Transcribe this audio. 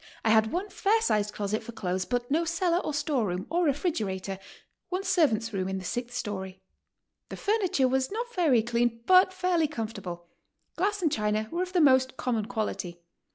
I had one fair sized closet for clothes, but no cellar or store room, or refrigerator; one servant's room in the sixth story. The furniture was not very clean, but fairly comfortable: glass and china were of the most common quality.